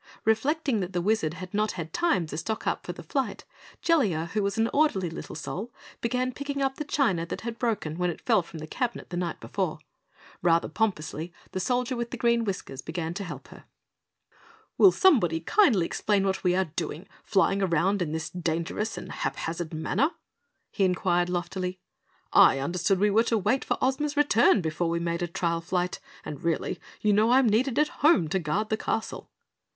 Reflecting that the Wizard had not had time to stock up for the flight, Jellia, who was an orderly little soul, began picking up the china that had broken when it fell from the cabinet the night before. Rather pompously, the Soldier with Green Whiskers began to help her. "Will someone kindly explain what we are doing, flying around in this dangerous and haphazard manner?" he inquired loftily. "I understood we were to wait for Ozma's return before we made a trial flight! And really, you know, I'm needed at home to guard the castle."